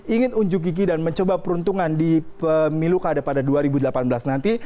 ingin unjuk gigi dan mencoba peruntungan di pemilu kada pada dua ribu delapan belas nanti